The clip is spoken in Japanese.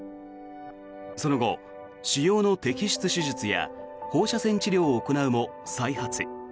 その後、腫瘍の摘出手術や放射線治療を行うも再発。